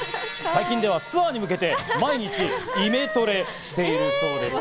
最近ではツアーに向けて毎日イメトレしているそうです。